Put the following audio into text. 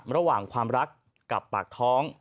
ระหว่างความรักกับปากท้อง